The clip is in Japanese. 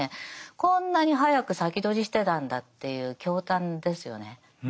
こんなに早く先取りしてたんだっていう驚嘆ですよね。